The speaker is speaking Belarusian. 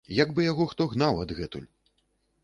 Як бы яго хто гнаў адгэтуль.